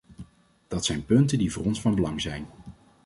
Dat zijn punten die voor ons van belang zijn.